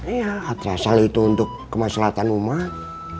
iya atas hal itu untuk kemaslahan umat